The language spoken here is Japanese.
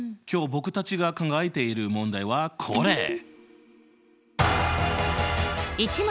今日僕たちが考えている問題はこれ！